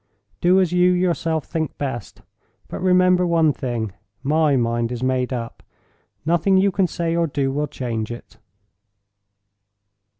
Do as you yourself think best. But remember one thing—my mind is made up; nothing you can say or do will change it."